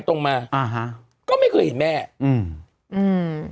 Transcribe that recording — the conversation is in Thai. ตรงมาอ่าฮะก็ไม่เคยเห็นแม่อืมอืม